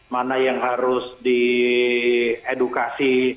mana yang harus diedukasi